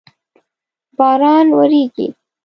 باران وریږی